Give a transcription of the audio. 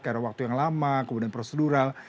karena waktu yang lama kemudian prosedural